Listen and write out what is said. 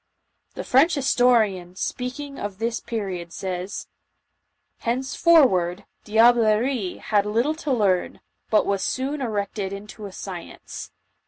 The French historian, speaking of this period, says :" Henceforward, diablerie had little to learn, but was soon erected into a science.